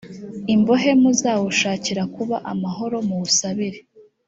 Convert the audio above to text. imbohe muzawushakire kuba amahoro muwusabire